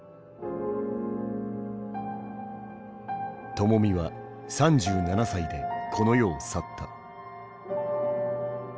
ともみは３７歳でこの世を去った。